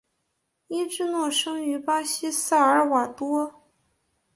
伊芝诺生于巴西萨尔瓦多。